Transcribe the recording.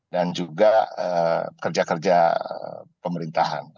dan juga kerja kerja pemerintahan